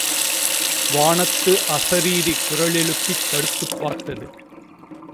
வானத்து அசரீரி குரல் எழுப்பித் தடுத்துப் பார்த்தது.